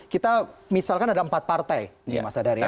kita misalkan ada empat partai di masa dari ya